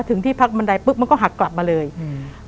ที่พักบันไดปุ๊บมันก็หักกลับมาเลยอืม